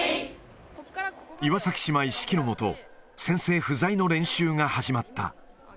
岩崎姉妹指揮の下、先生不在の練習が始まった。